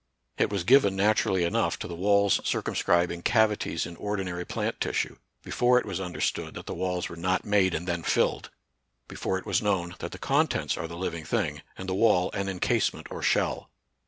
It was given, naturally enough, to the walls cir cumscribing cavities in ordinary plant tissue, before it was understood that the walls were not made and then filled, — before it was known that the contents are the living thing, and the wall an encasement or shell.